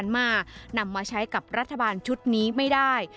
นำมาใช้กับรัฐบาลชุดนี้ไม่ได้